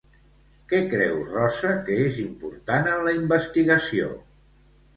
Què creu Rosa que és important en la investigació?